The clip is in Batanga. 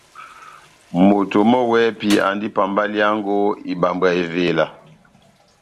Moto mɔ́ wɛ́hɛ́pi andi pambaliyango ibambwa evela.